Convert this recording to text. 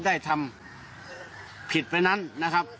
ได้ทำผิดไปนั้นนะครับ